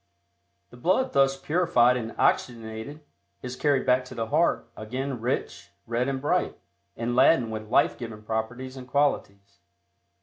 The blood thus purified and oxygenated is carried back to the heart, again rich, red and bright, and laden with life giving properties and qualities.